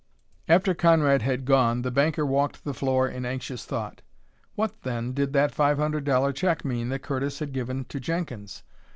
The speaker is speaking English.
After Conrad had gone the banker walked the floor in anxious thought. What, then, did that five hundred dollar check mean that Curtis had given to Jenkins?